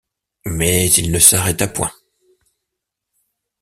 Mais il ne s’arrêta point.